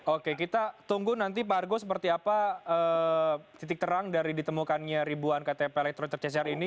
oke kita tunggu nanti pak argo seperti apa titik terang dari ditemukannya ribuan ktp elektronik tercecer ini